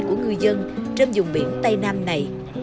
của người dân trên dùng biển tây nam này